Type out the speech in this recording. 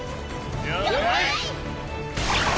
了解！